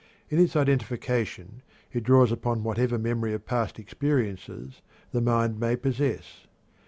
In its identification it draws upon whatever memory of past experiences the mind may possess.